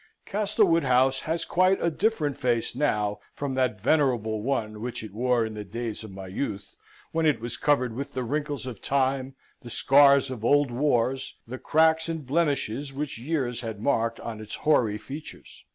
Castlewood House has quite a different face now from that venerable one which it wore in the days of my youth, when it was covered with the wrinkles of time, the scars of old wars, the cracks and blemishes which years had marked on its hoary features.